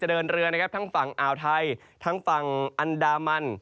จะเดินเรือทางฝั่งอาวไทยันดามัน